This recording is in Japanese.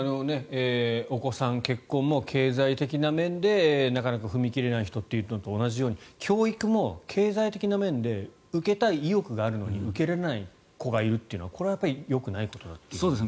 お子さん、結婚も経済的な面でなかなか踏み切れない人っていうのと同じように教育も経済的な面で受けたい意欲があるのに受けられない子がいるというのはよくないことですね。